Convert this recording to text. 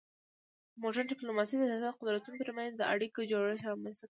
مډرن ډیپلوماسي د سیاسي قدرتونو ترمنځ د اړیکو جوړښت رامنځته کوي